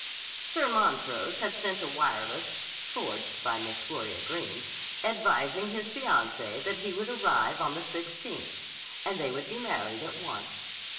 Sir Montrose had sent a wireless (forged by Miss Gloria Greene) advising his fiancee that he would arrive on the 16th, and they would be married at once.